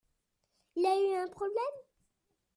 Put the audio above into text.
Il y a eu un problème ?